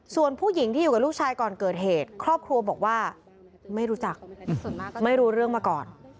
ส่วนผู้หญิงที่อยู่กับลูกชายก่อนเกิดเหตุครอบครัวบอกว่าไม่รู้จักไม่รู้เรื่องมาก่อน